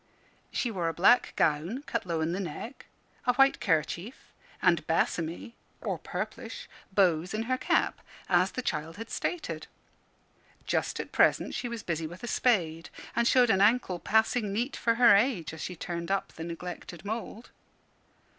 She wore a black gown, cut low in the neck, a white kerchief, and bassomy (or purplish) bows in her cap as the child had stated. Just at present she was busy with a spade, and showed an ankle passing neat for her age, as she turned up the neglected mould.